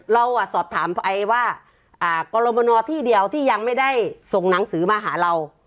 เราสอบถามไปว่ากรมนที่เดียวที่ยังไม่ได้ส่งหนังสือมาหาเรา